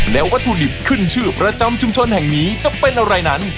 และวัตถุดิบขึ้นชื่อประจำชุมชนแห่งนี้จะเป็นอะไรนั้น